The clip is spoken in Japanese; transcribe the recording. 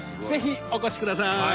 ぜひ、お越しください。